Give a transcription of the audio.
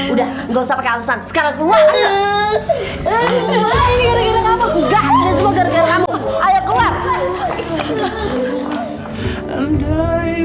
udah gak usah pakai alasan sekarang keluar